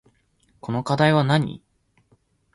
この課題はなに